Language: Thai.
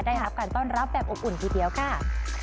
ได้รับการต้อนรับแบบอบอุ่นทีเดียวค่ะ